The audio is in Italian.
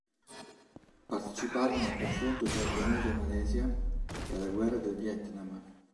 Parteciparono al confronto tra Indonesia e Malesia e alla guerra del Vietnam.